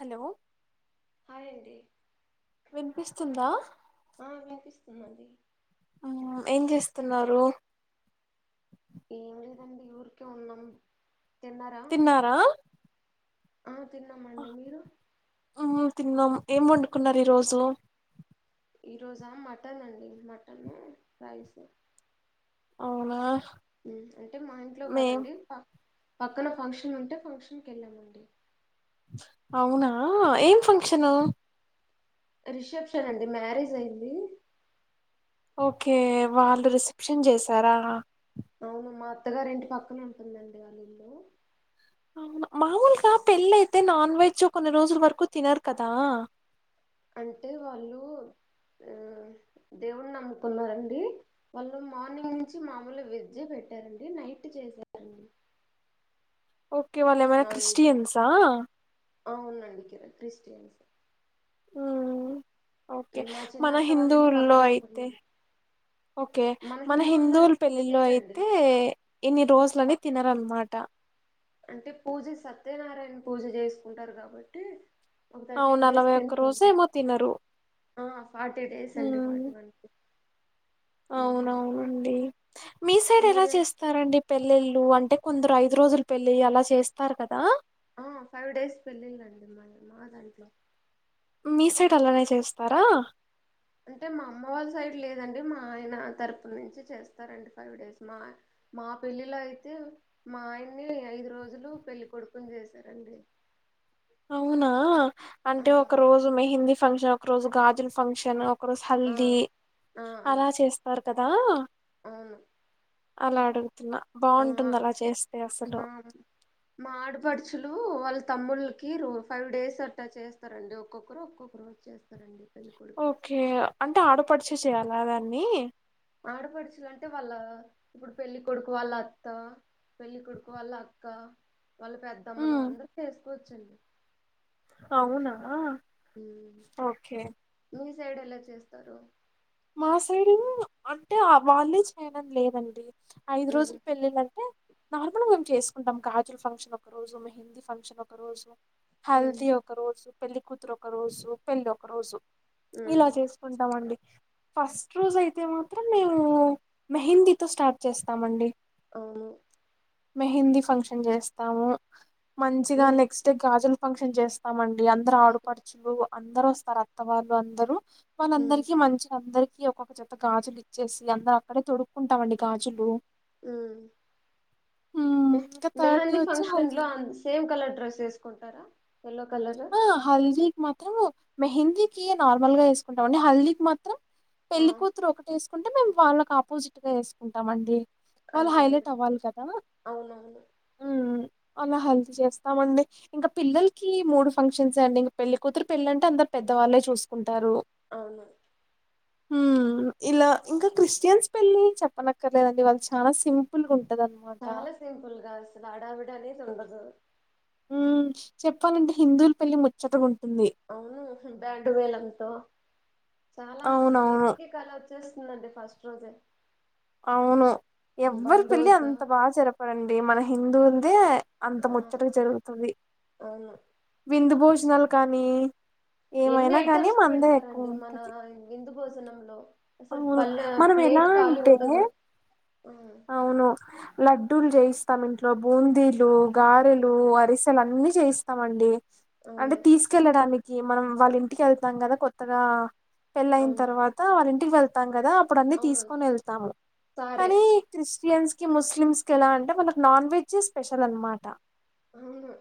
Hello లెండి వినిపిస్తుందా హు అండి ఆ ఏం చేస్తున్నారు ఏం లేదండి ఊరికే ఉన్నాం తిన్నారా తిన్నారా ఆ తిన్నామండి మీరు తిన్నం ఏం వండుకున్నారు ఈ రోజు ఈరోజా మట్టనండి మటను రైసు అవునా హు అంటే మా ఇంట్లో మేం కాదండి పా పక్కన ఫంక్షనంటే ఫంక్షన్ కేళ్ళామండి అవునా ఏం ఫంక్షను రెసెప్షనండి మ్యారేజైంది ఒకే వాళ్ళు రిసెప్షన్ జేశారా అవును మా అత్తగారి ఇంటి పక్కన ఉంటుందండి ఆ ఇల్లు అవునా మామూలుగా పెళ్ళైతే నాన్వెజ్ కొన్ని రోజుల వరకు తినరు కదా అంటే వాళ్ళు ఆ దేవడ్ని నమ్ముకున్నారండి వాళ్ళు మార్నింగ్ నుంచి మామూలు వేజే పెట్టారండి నైట్ చేశారండీ ఒకే వాళ్ళేమైనా క్రిస్టయన్సా అవునండి క్రిస్టియన్స్ ఆ ఆ ఒకే మా మన చిన్నత్త వాళ్ళ ఇంటి పక్కన హిందువుల్లోయైతే ఉంటున్నాను ఒకే మన హిందువుల్లో హిందువుల్ అయితే చేయరండి పెళ్లిలైతే ఇన్ని రోజులన్ని ప- తిన్నారాన్మాట అంటే పూజ సత్యనారాయణ పూజ జేసుకుంటారు కాబట్టి ఒక అవును థర్టీన్ డేస్ నలభై ఒక్క రోజు తిట్టవండి ఏమో తినరు ఆ ఫార్టీ డేస్ అండి ఫార్టీ వన్ డే అవున్ అవునండి మీ సైడ్ ఎలా మీరు చేస్తారండీ. పెళ్లిళ్ ఉ అంటే కొందరు ఐదు రోజులు పెళ్లి అలా సేస్తారు కదా ఆ ఫైవ్ డేస్ పెళ్లిలండి మై మా దాంట్లో మీ సైట్ అలానే చేస్తారా అంటే మా అమ్మ వాళ్ళ సైడ్ లేదండి మా ఆయన తరపు నుంచి చేస్తారండి ఫైవ్ డేస్ మా మా పెళ్ళిలోయైతే మా ఆయన్ని ఐదు రోజులు పెళ్లి కొడుకుని చేసారండి అవునా ఆ అంటే ఒక రోజు మెహేంది ఫంక్షన్ ఒక్కరోజు గాజుల ఫంక్షనో క్రొజ్ ఆ హల్ది అలా చేస్తారు కదా అవును అలా అడుగు తిన్న ఆ బావుంటుంది అలా చేస్తే అసలు ఆ తమ్ములుకి రో ఫైవ్ డేస్ అట్టా చేస్తారండి ఒక్కొక్కరు ఒకొక్కరోజ్ చేస్తారండి పెళ్లి కొడుకు ఒకే అంటే ఆడపడుచు చేయాలా అదన్ని ఆడపడుచులు అంటే వాళ్ళా పెండ్లి కొడుకు వాళ్ళ అత్త పెండ్లి కొడుకు వాళ్ళ అక్క వాళ్ళ పెద్దమ్మలు ఉమ్ అందరూ చేసుకోవచ్చండి అవునా ఓకే మీజ్ సైడేలా చేస్తారు మా సైడు అంటే ఆ వాళ్లే చేయాలని లేదండి ఐదు ఉమ్ రోజుల పెళ్లిళ్లు అంటే నార్మల్గా మేము చేసుకుంటాం గాజుల ఫంక్షన్ ఒక రోజు, మెహిందీ ఫంక్షన్ ఒక రోజు ఉమ్ హల్ది ఒక రోజు పెళ్లి కూతురు ఒక రోజు పెళ్ళి ఒక రోజు ఇలా ఉమ్ చేసుకుంటామండి ఫస్ట్ రోజు అయితే మాత్రం మేము మెహందీతో స్టార్ట్ చేస్తామండి అవును మెహందీ ఫంక్షన్ చేస్తాము మంచిగా మీరు నెక్స్ట్ గాజులు ఫంక్షన్ చేస్తామండి మీ అందరు అదే ఆడపడుచులు అందరు వస్తారు అత్త వాళ్ళు అందరు ఉమ్ వాళ్ళందరికీ మంచి అందరికి ఒక్కొక్క జత గాజులు ఇచ్చేసి, అందరం అక్కడే తొడుక్కుంటాం అండి గాజులు మ్మ్ ఉమ్ మెహ్ ఇంకా థర్డ్ డే మెహంది వచ్చి ఫంక్షన్ హల్దీ లో సేమ్ కలర్ డ్రెస్ వేసుకుంటారా ఎల్లో కలరు మాత్రము మెహందీకి నార్మల్ గా వేసుకుంటాం అండి హల్దీకి మాత్రం ఆ పెళ్లి కూతురు ఒకటేస్ కుంటే మేము వాళ్ళకి ఆపోజిట్గా వేసుకుంటాంమండి వాళ్ళు అదే అండి హైలైట్ అవ్వాలి కదా అవునవును అలా హెల్ప్ చేస్తామండి ఇంకా పిల్లలకి మూడు ఫంక్షన్స్ అండి ఇంక పెళ్లి కూతురు పెళ్లి అంటే అంతా పెద్దవాళ్లే చూసుకుం అవును ఇలా ఇంకా క్రిస్టియన్స్ పెళ్లి చెప్పనక్కర్లేదండి వాళ్ళు చాలా సింపుల్ గా చాల సింపుల్ కాస్లు హడావిడి గలీజు ఉండదు మ్మ్ చెప్పలంటే హిందువులు పెళ్లి ముచ్చటగా ఉంటు అవును బ్యాండు మేలంతో చాలా అసలు అవునవును. ఇంటికి కలచ్చ చూస్తుందండి ఫస్ట్ రోజే అవును ఎవ్వరు పెళ్లి బంధువులతో అంత బాగా జరపరండి మన హిందువులదే అంత ఆ ముచ్చటగా జరుగుతుంది. అవును విందు భోజన [inaudible] కానీ ఎన్ని ఏమైనా కానీ ఐటమ్స్ మనదే పెడతారండి మన ఎక్కువుంటది. విందుకు భోజనంలో అసలు అవును పల్లె మనం ఎలా ప్లేట్ ఖాళీ అంటే ఉండదు ఆ అవును లడ్డూల్ చేయిస్తాం ఇంట్లో బూందీలు గారెలు అరిస్ సల్ అన్నీ చేయిస్తామండి అంటే అవును తీసుకెళ్ళడాని మనం వాళ్ళ ఇంటికి ఎళ్తాం కదా కొత్తగా పెళ్ళైన అవును తర్వాత వాళ్ళింటి వెళ్తాం కదా అప్పుడన్నీ అవును తీసుకొని ఎళ్తాము సారే కానీ క్రిస్టియన్స్ కి ముస్లిమ్స్ కి ఎలా అంటే వాళ్ళకి నాన్ వెజ్ స్పెషల్ అనమాట అవును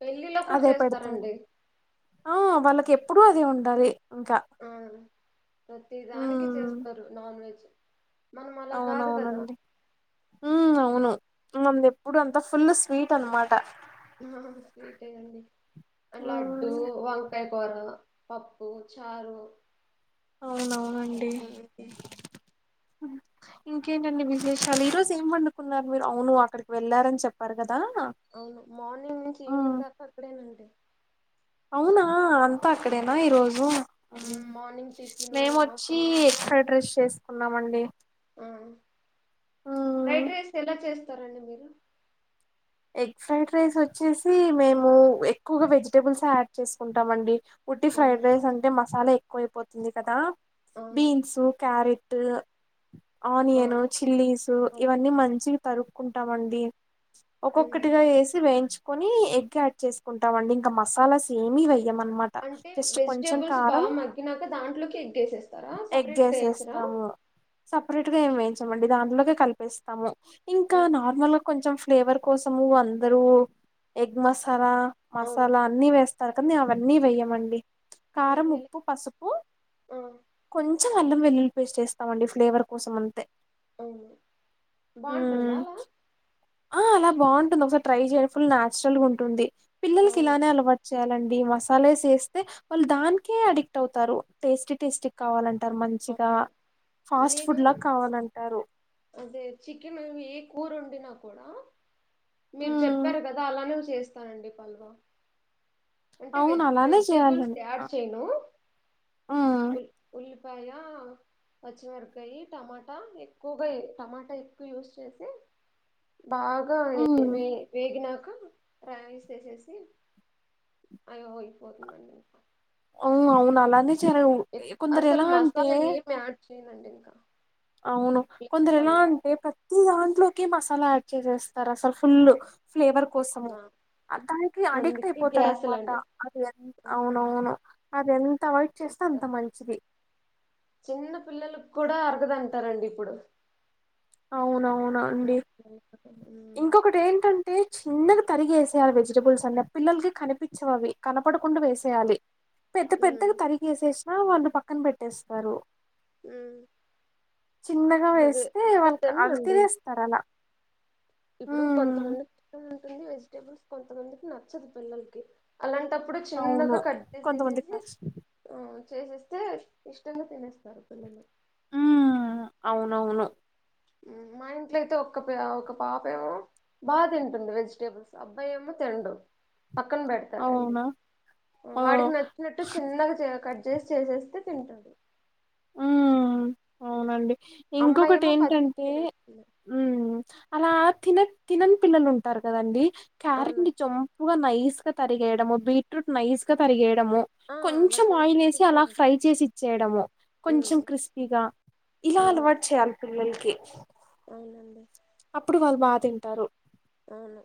పెళ్ళిలో కూడా అదే పెడతారు చేస్తారండి ఆ వాళ్ళకి ఎప్పుడూ అది ఉండాలి ఇంకా ఆ ప్రతీదానికి ఉమ్ చేస్తరు నా వెజ్ మనం అలా కాదు కదా అవునవునండి ఉ అవును మనదెప్పుడు అంతా ఫుల్ స్వీట్ అనమాట ఆ స్వీటే అండి లడ్డూ ఉమ్ వంకాయ కూర పప్పు చారు అవునవును హ్మ్ ఇంకేంటండి విశేషాలు ఈ రోజు ఏం వండుకున్నారు మీరు అవును అక్కడికి వెళ్ళారని చెప్పారు క అవును మార్నింగ్ నుంచి ఈవినింగ్ దాకా అక్కడేనండి అవునా అంత అక్కడేనా ఉమ్, ఈ రోజు ఉమ్, మార్నింగ్ టిఫిన్ మేము వచ్చి ఆఫ్టర్నూన్ ఫ్రైడ్ రైస్ చేసు కున్నామండి ఆ ఫ్రైడ్ రైస్ ఎలా చే స్తారండి మీరు ఎగ్ ఫ్రైడ్ రైస్ వచ్చేసి మేము ఎక్కువగా వెజిటెబుల్స్ యాడ్ చేసుకుంటాం అండి వట్టి అవును ఫ్రైడ్ రైస్ అంటే మ చాలా ఎక్కువయిపోతంది కదా అవును బీన్సు క్యారెట్ ఆ ఆనియను చిల్లీసు అవును. ఇవన్నీ మంచి తరుక్కుంటామండి ఉమ్. ఒక్కొక్కటిగా వేసి వేయించు కొని ఎగ్ యాడ్ చేసుకుంటాంండి ఇంకా మసాలా స ఏమి ఇవ అన్నమాట అంటే ఫస్ట్ కొంచెం వెజిటేబుల్స్ కారం బాగా మగ్గినాక దాంట్లోకి ఎగ్గేసేస్తారా ఎగ్ సపరేట్ గా వేయించరా ఏసేస్తాము సపరేట్ గా ఏమి వెయ్యం మళ్ళీ దాంట్లోకే కలిపేస్తాము ఇంకా ఉమ్, నార్మల్గా కొంచెం ఫ్లేవర్ కోసము అందరూ ఎగ్ మసాలా అవును మసాలా అన్ని వేస్తారు కానీ అవన్నీ నెయ్యి వెయ్యమండి ఆ, కారం ఎలా- ఉప్పు పసుపు ఆ, కొంచెం అల్లం వెల్లుల్లి పేస్ట్ వేస్తామండి ఫ్లేవర్ కోసం అంతే అవును ఉమ్ బాగుంటుందా అలా ఆ అలా బాగుంటుంది ఒకసారి ట్రై చేయ ఫుల్ నాచురల్ గా ఉంటుంది పిల్లలకి అవును ఇలానే అలవాటు చేయాలండి ఈ మసాల ఏసి చేస్తే వాళ్ళు దానికే అడిక్ట్ అవుతారు టేస్టీ టేస్టీ గా కావాలని అంట మంచిగా అవును ఫాస్ట్ ఫుడ్ నేను లా కావాలంటారు కూరొండిన కూడా మీరు ఉమ్ చెప్పారు కదా అలానే చేసి స్తానండి ప అల్వా అంటే అవును వెజ్ అలానే వెజిటేబుల్స్ చేయాలండి తయారు చేయను ఉమ్ ఉ ఉల్ పైగా పచ్చిమిరపకాయి టమాటా ఎక్కువగా టమాటా ఎక్కువ యూస్ చేసి బాగా వ ఉమ్ వేగిన టై వేసేసేసి అయో అయిపోతుందిం అక అవును అవును అలానే చలా ఎక్- కొందరు అసలు ఎలా అంటే మసాలా ఏమి యాడ్ చేయనండి ఇంకా అవును కొందరలా పల్వా అంటే ప దాంట్లోకి మసాలా యాడ్ చేసేస్తారు అసలు ఫుల్ ఫ్లేవర్ కోసము నా- దానికి అడిక్ట్ అందుకే అయిపోతారు అనమాట గ్యాసులండి అది ఎంత ఆహా. అవునవును అది ఎంత అవాయిడ్ చేస్తే అంత మంచిది చిన్న పిల్లలకు కూడా అరగదంటా రండి ఇప్పుడు అవునవున అండి ఇంకొకటి ఏంటంటే చిన్నగా తరిగి ఏసేయాలి వెజిటబుల్స్ అనే పిల్లలకి కనిపించవి అవి కనపడకుండా వేసేయాలి పెద్ద పెద్దగా తరిగి వేసే వాళ్ళు పక్కన పెట్టేస్తారు చిన్నగా అదే వేస్తే అస్సలు వాళ్ళ అవి తినరండి తీసేస్తారలా ఇప్పుడు కొంతమంది ఉంది వెజిటేబుల్స్ కొంతమందికి నచ్చదు పిల్లలకి అలాం అలాంటప్పుడు అవును చిన్నగా కట్ కొంతమందికి చేసేసేసి నచ్చదు ఆ చేసేస్తే ఇష్టంగా తినేస్తారు పిల్లలు ఉమ్ అవునవును మా ఇంట్లో అయితే ఒక ఒక పాప ఏమో బాగా తింటుంది వెజిటేబుల్స్ అబ్బాయి ఏమో తిండు పక్కన పెడతారండి అవునా ఓ వాడికి నచ్చినట్టు చిన్నగా చె కట్ చేసి చేసేస్తే తింటాడు ఉమ్ ఉమ్. అవునండి అమ్మాయి ఇంకొకటి ఏమో పచ్చి ఏంటంటే తినేస్తుంది ఉం అలా తిన తినని పిల్లలు ఉంటారు కదండి క్యారెట్ అవును ని చంపుగా నైస్ గా తరిగేయడము బీట్రూట్ నైస్ గా తరిగేయ ఆ అలా కొంచెం చేసి ఆయిల్ వేసి అలా తింటారండి ఫ్రై చేసి ఇచ్చేయడము కొంచెం హ్మ్ క్రిస్పీగా ఇలా అవును. అలవాటు చేయాలి పిల్ల పిల్లలకి అవునండి అప్పుడు వాళ్ళు బాగా తింటారు అవును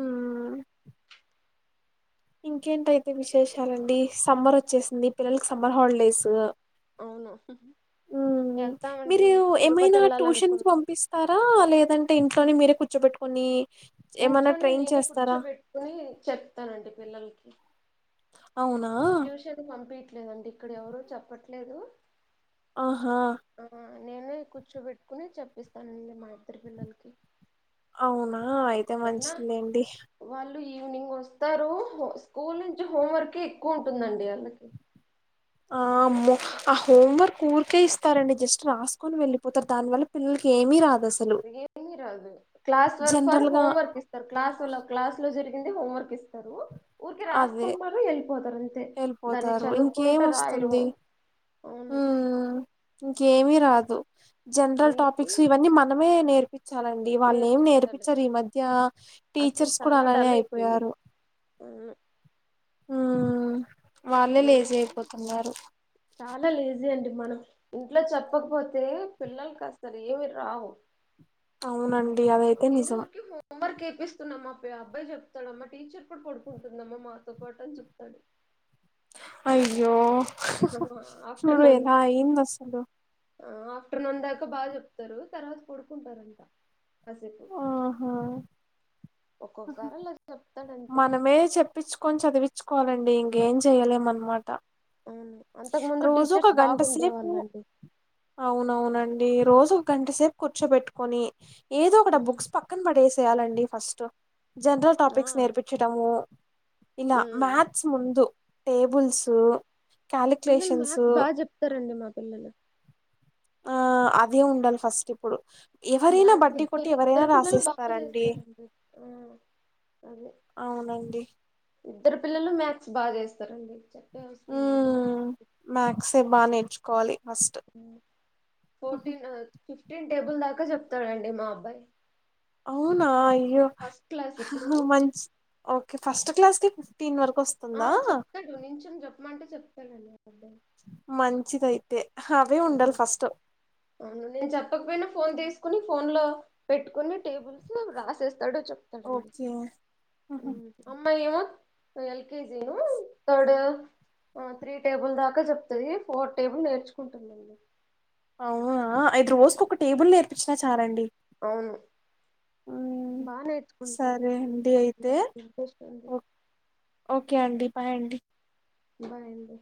ఉం ఇంకేంటయితే విశేషాలండి సమ్మర్ వచ్చేసింది పిల్లలకి సమ్మర్ హాలిడేస్ అవును ఉం ఎళ్తామండి. మీరు తిరుపతి ఏమైనా ట్యూషన్ కి ఎళ్ళాలనుకున్నా. పంపిస్తారా లేదం టే ఇంట్లోనే మీరే కూర్చోెబెట్టుకొని ఇంట్లోనే నేనే కూర్చో పెట్టుకుని చెప్తానండి పిల్లలకి అవునా ట్యూషన్ కంప్లీట్ లేదండి ఇక్కడ ఎవరు చెప్పట్లేదు ఆహా ఆ! నేనే కూర్చోబెట్టుకుని చెప్పిస్తానండి మా ఇద్దరి పిల్లలకి అవునా ఆ అయితే మంచిదిలేండి ళు ఈవినింగ్ వస్తారు స్కూల్ నుంచి హోం వర్కే ఎక్కువ ఉంటుందండి వాళ్ళకి ఆమ్ ఆ హోమ్వర్క్ కూర్ వర్క్ ఇస్తారండి జస్ట్ రాసుకొని వెళ్ళలిపోతారు దాని వల్ల పిల్లకి ఏమీ రాదు అసలు ఏమి రాదు క్లాస్ వర్క్ ఆర్ జనరల్ గా హోమ్ వర్క్ ఇస్తారు క్లాస్ క్లాస్ లో జరిగి కింద హోమ్ వర్క్ ఇస్తారు ఊరికె అదే రాసుకుంటారు వెళ్ళిపోతారు అంతే దాన్ని వెళ్ళిపోతారు ఇంకేం చదువుకుంటే రాయరు వస్తుంది అవును ఉమ్ ఇంకేమీ రాదు జనరల్ అందుకే టాపిక్స్ ఇవన్నీ మనమే నేర్పు చాలండి వాళ్ళు ఏం నేర్పించాలి నేర్పించారు ఈ మధ్య అసలు టీచర్స్ కూడా చాలా అలానే డల్ అయిపోయింది అయిపోయారు అవును ఉమ్ వాళ్ళే లేజీ ఏమన్నా అయిపోతున్నారు చాలా లేజీ అండి మనం ఇంట్లో చెప్పకపోతే పిల్లలకి అసలు ఏమి రావు అవునండి అదైతే నిజం గపిస్తున్నామా అబ్బాయి చెప్తాడమ్మా టీచర్ కూడా పడుకుంటుంద అమ్మా మాతో పాటు చెప్తాడు అయ్యో చూడు ఆఫ్టర్నూన్ ఎలా అయ్యిందో అసలు ఆఫ్టర్ నూన్ దాక బాగా చెప్తారు తర్వాత పొడకున్టారు అంటా కాసేపు ఆహా ఒక్కొక్కసారి అలా చెప్తాడు అంతే మనమే చెప్పించుకొని చదివచ్చు తెలుసుకోవాలండి ఇంకేం చేయ్యలేం అనమాట అవును అంతకు ముందు రోజు ఒక టీచర్స్ గంట బాగుండే సేపు వాళ్ళండి అవునవునండి రోజు ఒక గంట సేపు కూర్చోబెట్టుకొని ఏదో ఒకడ ఉమ్, బుక్స్ పక్కన పడేసేయాలండి ఫస్ట్ జనరల్ ఆ టాపిక్స్ నేర్పించడము ఇలా ఉమ్. మ్యాథ్స్ ముందు టే బుల్సు పిల్లలు మ్యాథ్స్ బాగా చెప్తారండి మా పిల్లలు ఆ అవే ఉండాలి ఫస్ట్ ఇప్పుడు ఎవరైనా మ్యాథ్స్ బడ్డీ కొట్టి ఇద్దరు ఎవరైనా ఇద్దరు పిల్లలు బాగా రాసేస్తారండి చేస్తారండి ఆ అదే అవునండి ఇద్దరు పిల్లలు మ్యాథ్స్ బాగా చేస్తారండి అవసరం లేదు బాగా ఊమ్ చేస్తారు మ్యాథ్స్ బానే కాలీ ఫోర్టీన్ ఉ ఫిఫ్టీన్ టేబుల్ దాకా చెప్తాడండి మా అబ్బాయి అవునా అయ్యో ఫస్ట్ క్లాస్ ఇప్పుడు మంచి ఓకే ఫస్ట్ క్లాస్ కే ఫిఫ్టీన్ వరక్ ఆ చెప్తాడు నించోని చెప్పమంటే చెప్ తాడని మంచిదైతే అవును నేను చెప్పకపోయినా ఫోన్ తీసుకుని ఫోన్ లో పెట్టుకుని టేబుల్స్ రాసేస్ తడు చెప్తాడండి ఓకే ఉహు. ఉమ్ అమ్మాయి ఏమో ఎల్ కే జి ను థర్డ్ ఆ త్రీ టేబుల్ దాకా చెప్తది ఫోర్ టేబుల్ నేర్చు కుంటుందండి అవునా అయితే రోజుకు ఒక టేబుల్ నేర్పిచ్చినా చాలండి అవును ఉమ్, బా నేర్చుకుంటాను సరే అండి అయితే [inaudible] ఇంట్రెస్ట్ ఉంది ఓ- ఓకే అండి బాయ్ అండి బాయ్ అండి